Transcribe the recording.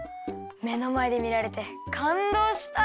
めのまえでみられてかんどうした。